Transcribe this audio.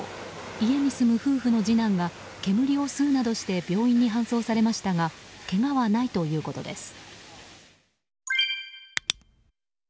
家に住む夫婦の次男が煙を吸うなどして病院に搬送されましたがけがはないということです。